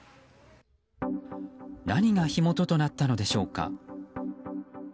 何が火元となったのでしょうか。